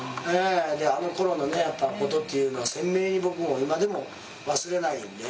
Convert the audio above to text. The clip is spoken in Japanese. あのころのことっていうのは鮮明に僕も今でも忘れないんで。